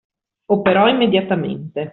Operò immediatamente.